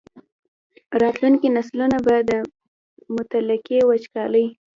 راتلونکي نسلونه به د مطلقې وچکالۍ.